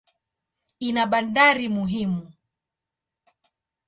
Ina bandari muhimu.